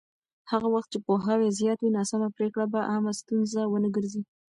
هغه وخت چې پوهاوی زیات وي، ناسمه پرېکړه به عامه ستونزه ونه ګرځي.